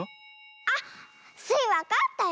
あっスイわかったよ！